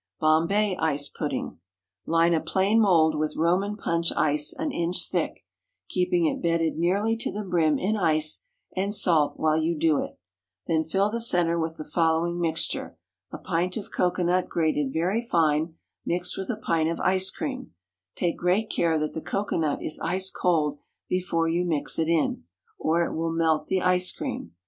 Bombay Ice Pudding. Line a plain mould with Roman punch ice an inch thick, keeping it bedded nearly to the brim in ice and salt while you do it; then fill the centre with the following mixture: a pint of cocoanut grated very fine, mixed with a pint of ice cream; take great care that the cocoanut is ice cold before you mix it in, or it will melt the ice cream.